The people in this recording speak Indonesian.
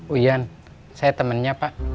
wian saya temennya pak